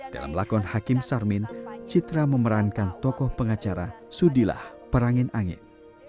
dalam lakon hakim sarmin citra memerankan tokoh pengacara sudilah perangin angin